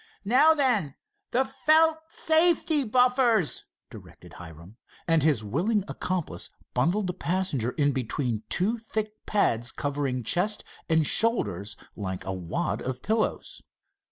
"Now then, the felt safety buffers," directed Hiram, and his willing accomplice bundled the passenger in between two thick pads covering chest and shoulders like a wad of pillows.